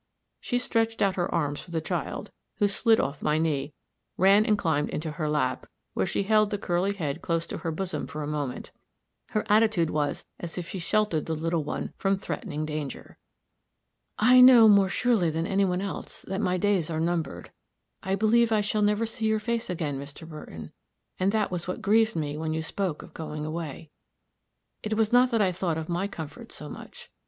She stretched out her arms for the child, who slid off my knee, ran and climbed into her lap, where she held the curly head close to her bosom for a moment; her attitude was as if she sheltered the little one from threatened danger. "I know, much more surely than any one else, that my days are numbered. I believe I shall never see your face again, Mr. Burton; and that was what grieved me when you spoke of going away it was not that I thought of my comfort so much.